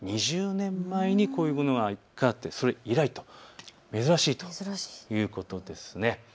２０年前にこういうことがあってそれ以来と珍しいということです。